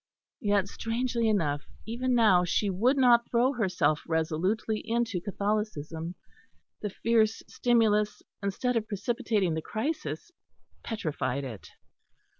Yet, strangely enough, even now she would not throw herself resolutely into Catholicism: the fierce stimulus instead of precipitating the crisis, petrified it.